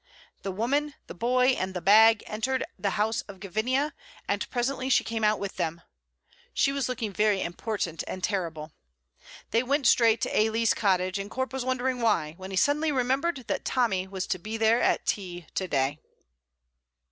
The woman, the boy, and the bag entered the house of Gavinia, and presently she came out with them. She was looking very important and terrible. They went straight to Ailie's cottage, and Corp was wondering why, when he suddenly remembered that Tommy was to be there at tea to day.